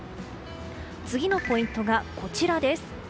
次のポイントがこちらです。